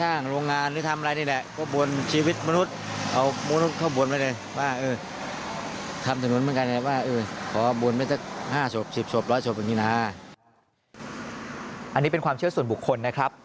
อันนี้เป็นความเชื่อส่วนบุคคลนะครับ